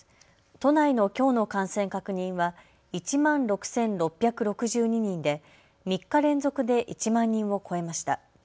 都内のきょうの感染確認は１万６６６２人で３日連続で１万人を超えました。